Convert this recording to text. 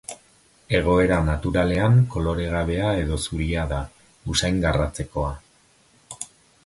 Egoera naturalean koloregabea edo zuria da, usain garratzekoa.